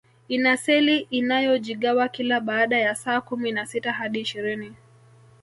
Ina seli inayojigawa kila baada ya saa kumi na sita hadi ishirini